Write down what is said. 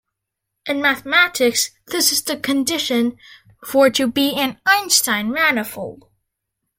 In mathematics, this is the condition for to be an Einstein manifold.